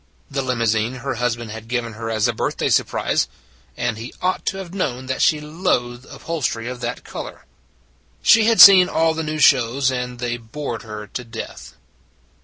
The limousine her husband had given her as a birthday surprise and he ought to have known that she loathed upholstery of that color. She had seen all the new shows, and they bored her to death.